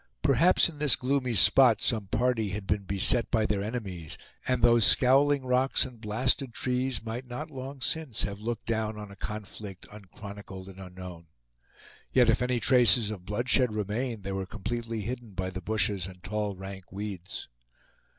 Perhaps in this gloomy spot some party had been beset by their enemies, and those scowling rocks and blasted trees might not long since have looked down on a conflict unchronicled and unknown. Yet if any traces of bloodshed remained they were completely hidden by the bushes and tall rank weeds.